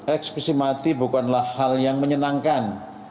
ekspresimati bukanlah hal yang menyenangkan